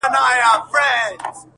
په موسم د پسرلي کي د سرو ګلو؛